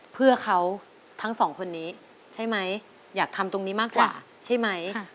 เพื่อเขาทั้งสองคนนี้ใช่ไหมอยากทำตรงนี้มากกว่าใช่ไหม